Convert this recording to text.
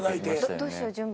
どうしよう順番。